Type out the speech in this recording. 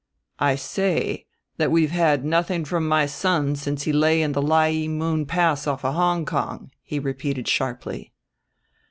"I say that we've had nothing from my son since he lay in the Lye ee Moon Pass off Hong Kong," he repeated sharply.